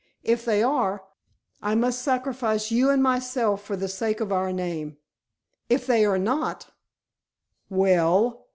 If they are, I must sacrifice you and myself for the sake of our name; if they are not " "Well?"